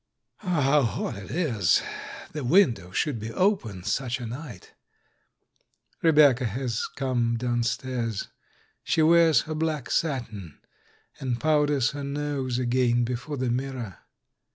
... How hot it is! the window should be open such a night. ... Rebecca has come downstairs. She wears her black satin, and pow ders her nose again before the mirror.